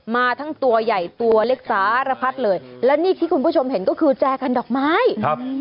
มาทั้งตัวใหญ่ตัวเล็กสารพัดเลยและนี่ที่คุณผู้ชมเห็นก็คือแจกันดอกไม้ครับ